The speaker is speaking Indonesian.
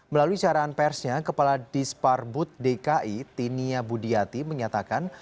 melalui caraan persnya kepala disparbud dki tinia budiati menyatakan